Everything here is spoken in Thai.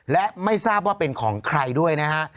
และไม่ทราบว่าเป็นของใครด้วยนะฮะ